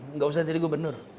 tidak usah jadi gubernur